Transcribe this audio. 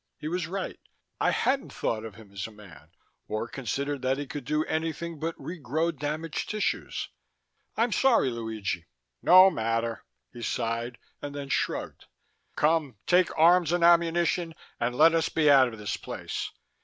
He was right; I hadn't thought of him as a man, or considered that he could do anything but regrow damaged tissues. "I'm sorry, Luigi!" "No matter." He sighed, and then shrugged. "Come, take arms and ammunition and let us be out of this place.